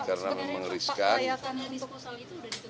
pak sebenarnya kelayakan yang disposal itu sudah ditentukan belum sejak hari